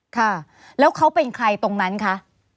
ค่ะแล้วเขาเป็นใครตรงนั้นคะ